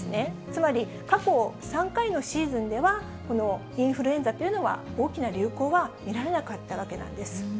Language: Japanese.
つまり、過去３回のシーズンでは、このインフルエンザというのは、大きな流行は見られなかったわけなんです。